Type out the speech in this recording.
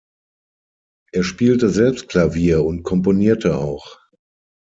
Er spielte selbst Klavier und komponierte auch.